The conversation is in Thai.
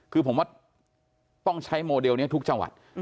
คือผมว่าต้องใช้โมเดลนี้ทุกจังหวัด